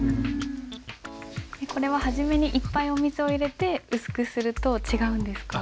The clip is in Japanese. これは初めにいっぱいお水を入れて薄くすると違うんですか？